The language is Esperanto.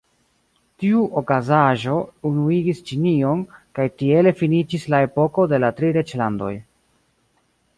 Tiu okazaĵo unuigis Ĉinion, kaj tiele finiĝis la epoko de la Tri Reĝlandoj.